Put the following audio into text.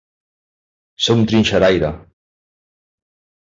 Ser un trinxeraire.